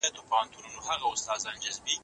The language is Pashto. د لاسي کارونو زده کړه د ځوانانو لپاره ګټوره ده.